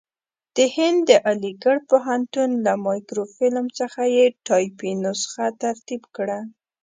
د هند د علیګړ پوهنتون له مایکروفیلم څخه یې ټایپي نسخه ترتیب کړه.